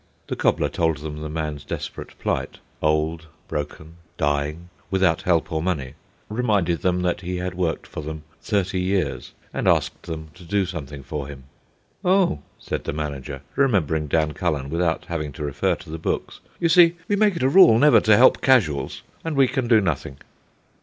The cobbler told them the man's desperate plight, old, broken, dying, without help or money, reminded them that he had worked for them thirty years, and asked them to do something for him. "Oh," said the manager, remembering Dan Cullen without having to refer to the books, "you see, we make it a rule never to help casuals, and we can do nothing."